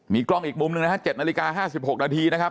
มีกล้องอีกมุมหนึ่งนะฮะ๗นาฬิกา๕๖นาทีนะครับ